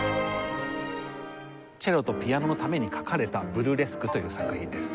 チェロとピアノのために書かれた『ブルレスク』という作品です。